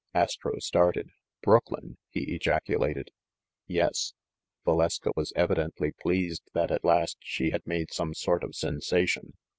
Astro started. "Brooklyn?" he ejaculated. "Yes." Valeska was evidently pleased that at last she had made some sort of sensation.